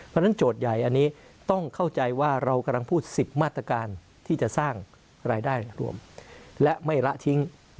เพราะฉะนั้นโจทย์ใหญ่อันนี้